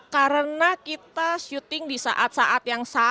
karena kita shooting di saat saat yang sangat berharga